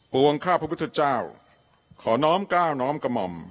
วงข้าพระพุทธเจ้าขอน้อมกล้าวน้อมกระหม่อม